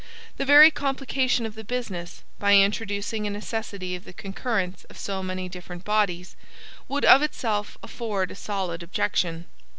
The very complication of the business, by introducing a necessity of the concurrence of so many different bodies, would of itself afford a solid objection.